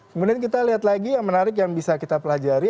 kemudian kita lihat lagi yang menarik yang bisa kita pelajari